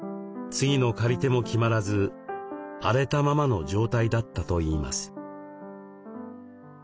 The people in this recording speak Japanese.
次の借り手も決まらず荒れたままの状態だったといいます。